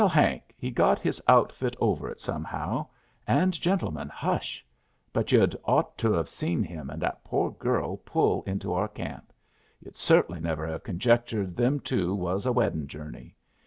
"Well, Hank he got his outfit over it somehow, and, gentlemen, hush! but yu'd ought t've seen him and that poor girl pull into our camp. Yu'd cert'nly never have conjectured them two was a weddin' journey.